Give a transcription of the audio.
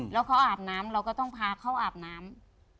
แล้วเขาอาบน้ำเราก็ต้องพาเขาอาบน้ำ